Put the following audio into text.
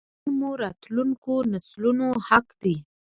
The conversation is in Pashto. معادن مو راتلونکو نسلونو حق دی